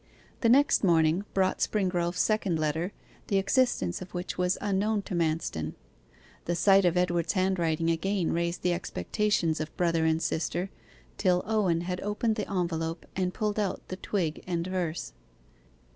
The next morning brought Springrove's second letter, the existence of which was unknown to Manston. The sight of Edward's handwriting again raised the expectations of brother and sister, till Owen had opened the envelope and pulled out the twig and verse.